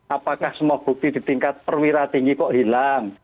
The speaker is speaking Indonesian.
apakah semua bukti di tingkat perwira tinggi kok hilang